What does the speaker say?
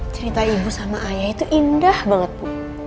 cerita ibu sama ayah itu indah banget bu